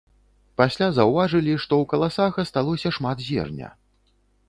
Пасля заўважылі, што ў каласах асталося шмат зерня.